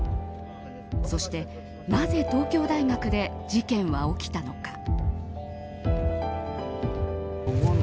そして、なぜ東京大学で事件は起きたのか。